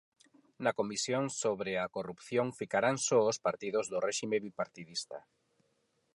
Na comisión sobre a corrupción ficarán só os partidos do réxime bipartidista.